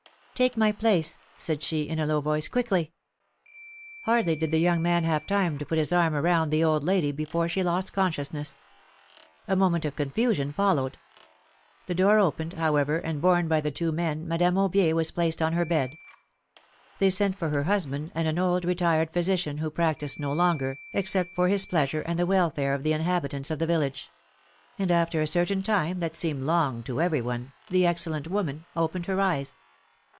Take my place," said she, in a low voice, quickly!" Hardly did the young man have time to put his arm around the old lady before she lost consciousness. A moment of confusion followed. The door opened, how ever, and, borne by the two men, Madame Aubier was placed on her bed. They sent for her husband and an old, retired physician, who practised no longer, except for his pleasure and the welfare of the inhabitants of the village; and after a certain time, that seemed long to every one, the excellent woman opened her eyes.